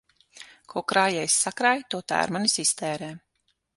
Ko krājējs sakrāj, to tērmanis iztērē.